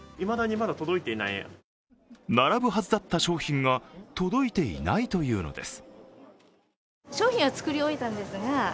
並ぶはずだった商品が届いていないというのです。